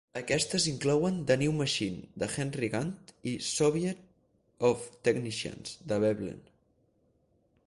Aquestes inclouen "The New Machine" de Henry Gantt i "Soviet of Technicians" de Veblen.